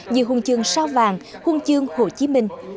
như hung chương sao vàng hung chương hồ chí minh